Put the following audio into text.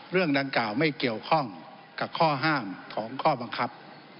เรื่องดังกล่าวไม่เกี่ยวข้องกับข้อห้ามของข้อบังคับ